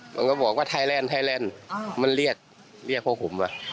มันก็บอกว่าไทยแลนด์มันเรียกพวกผม